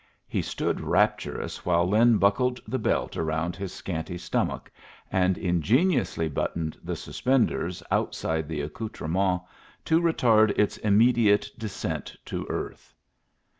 He stood rapturous while Lin buckled the belt round his scanty stomach, and ingeniously buttoned the suspenders outside the accoutrement to retard its immediate descent to earth.